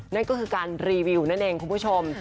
นั่นก็คือการรีวิวนั่นเองคุณผู้ชม